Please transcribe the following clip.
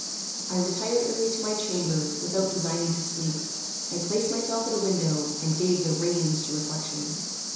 I retired early to my chamber, without designing to sleep. I placed myself at a window, and gave the reins to reflection.